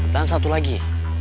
dan satu lagi